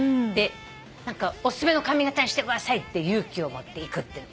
お勧めの髪形にしてくださいって勇気を持って行くって。